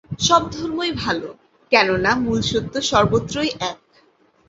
সব ধর্মই ভাল, কেননা মূল সত্য সর্বত্রই এক।